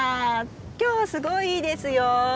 今日はすごいいいですよ。